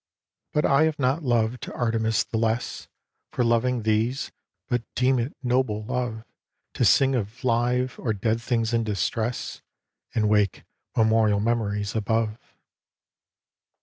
— But I have not loved Artemis the less For loving these, but deem it noble love To sing of live or dead things in distress And wake memorial memories above.